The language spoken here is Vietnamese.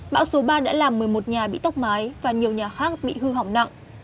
bão số ba đã làm một mươi một nhà bị tốc mái và nhiều nhà khác bị hư hỏng nặng